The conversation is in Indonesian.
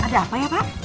ada apa ya pak